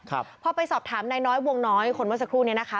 ครับพอไปสอบถามนายน้อยวงน้อยคนเมื่อสักครู่เนี้ยนะคะ